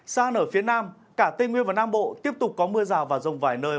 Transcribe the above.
xa nở phía nam cả tây nguyên và nam bộ tiếp tục có mưa rào và rông vài nơi